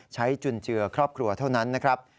จุนเจือครอบครัวเท่านั้นนะครับ